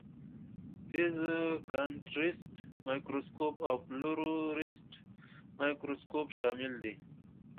فیز کانټرسټ مایکروسکوپ او فلورسینټ مایکروسکوپ شامل دي.